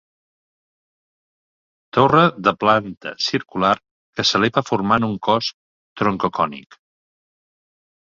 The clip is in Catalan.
Torre de planta circular que s'eleva formant un cos troncocònic.